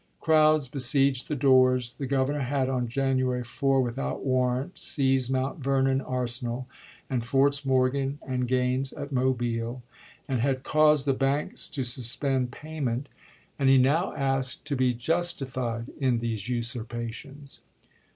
Crowds besieged the doors. The Governor had on January 4, without warrant, seized Mount Vernon arsenal and Forts Morgan and Gaines at Mobile, and had caused the banks to suspend payment, 187 and he now asked to be justified in these nsurpa chap. xii. tions.